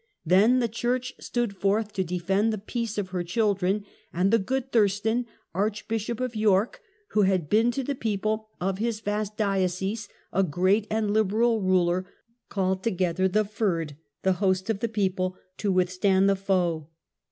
Then the church stood forth to defend the peace of her children; and the good Thurstan, Archbishop of York, who had been to the people of his vast diocese a great and liberal ruler, called together the ^rd (the host of the people) to withstand the foe.